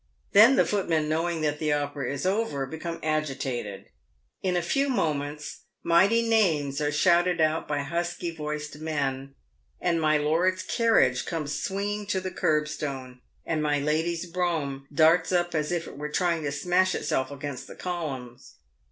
Then the footmen knowing that the opera is over, become agitated. In a few moments mighty names are shouted out by husky voiced men, and my lord's carriage comes swinging to the kerb stone, and my lady's brougham darts up as if it were trying to smash itself against the columns.